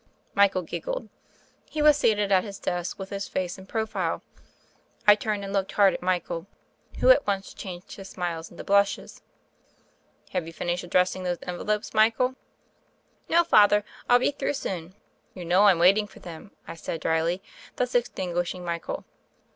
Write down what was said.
Michael giggled. He was seated at his desk with his face in profile. I turned and looked hard at Michael, who at once changed his smiles into blushes. "Have you finished addressing those envel opes, Michael?" "No, Father: I'll be through soon." "You know Fm waiting for them," I said THE FAIRY OF THE SNOWS 27 dryly, thus extinguishing Michael.